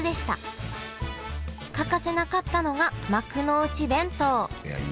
欠かせなかったのが幕の内弁当。